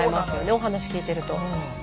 お話聞いてると。